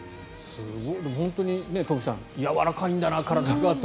本当に東輝さんやわらかいんだな、体がって。